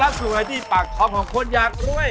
มาซื้ออยุ่ไว้ในปากทอมของคนยากรวย